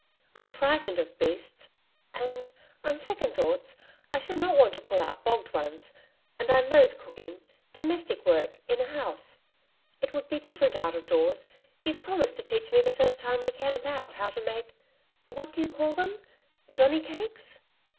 I'm frightened of beasts, and, on second thoughts, I should not want to pull out bogged ones. And I loathe cooking domestic work in a house. It would be different out of doors. You've promised to teach me the first time we camp out how to make what do you call them johnny cakes?'